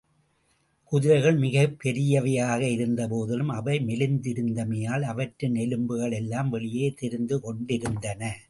குதிரைகள் மிகப்பெரியவையாக இருந்தபோதிலும், அவை மெலிந்திருந்தமையால், அவற்றின் எலும்புகள் எல்லாம் வெளியே தெரிந்துகொண்டிருந்தன.